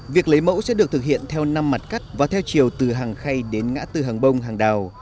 việc lấy mẫu sẽ được thực hiện theo năm mặt cắt và theo chiều từ hàng khay đến ngã tư hàng bông hàng đào